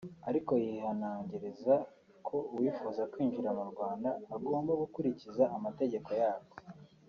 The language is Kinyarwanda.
ariko yihanangiriza ko uwifuza kwinjira mu Rwanda agomba gukurikiza amategeko yarwo